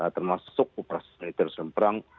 termasuk operasi selain perang